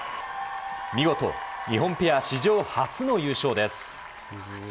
見事、日本ペア史上初の優勝です。